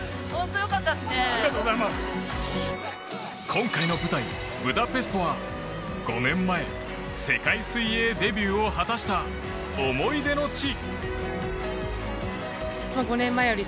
今回の舞台ブダペストは５年前世界水泳デビューを果たした思い出の地。